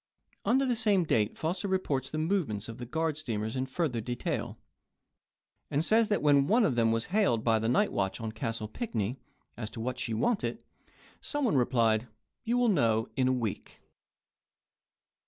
Under the same date Foster reports the move ments of the guard steamers in further detail, and says that when one of them was hailed by the night watch on Castle Pinckney as to what she wanted, some one replied, "You will know in a week."